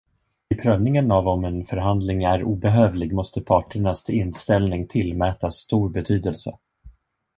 Vid prövningen av om en förhandling är obehövlig måste parternas inställning tillmätas stor betydelse.